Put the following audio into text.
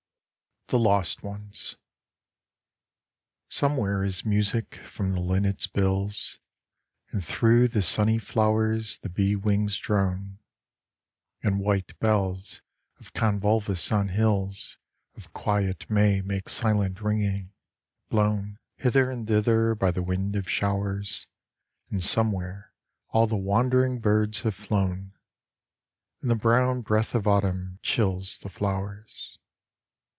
THE LOST ONES Somewhere is music from the linnets' bills, And thro' the sunny flowers the bee wings drone, And white bells of convolvulus on hills Of quiet May make silent ringing, blown Hither and thither by the wind of showers, And somewhere all the wandering birds have flown; And the brown breath of Autumn chills the flowers.